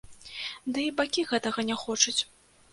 Ды і бакі гэтага не хочуць.